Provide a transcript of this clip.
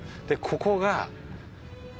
でここが。